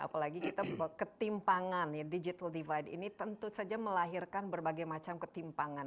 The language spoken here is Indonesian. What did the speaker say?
apalagi kita ketimpangan ya digital divide ini tentu saja melahirkan berbagai macam ketimpangan